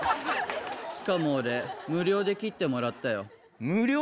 しかも俺、無料で切ってもら無料？